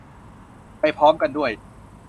ไปพร้อมกันด้วย